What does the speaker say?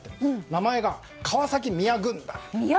名前が川崎宮軍団。